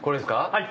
はい。